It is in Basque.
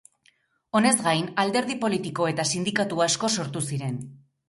Honez gain, alderdi politiko eta sindikatu asko sortu ziren.